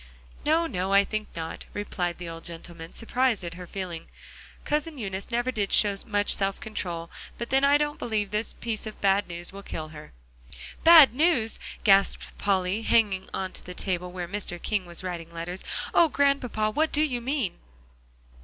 "No, no, I think not," replied the old gentleman, surprised at her feeling. "Cousin Eunice never did show much self control; but then, I don't believe this piece of bad news will kill her." "Bad news?" gasped Polly, hanging to the table where Mr. King was writing letters. "Oh, Grandpapa! what do you mean?"